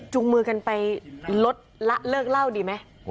มือกันไปลดละเลิกเล่าดีไหม